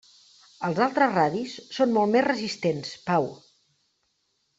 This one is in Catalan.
Els altres radis són molt més resistents, Pau!